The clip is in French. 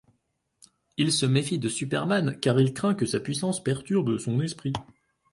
Il se méfie de Superman, car il craint que sa puissance perturbe son esprit.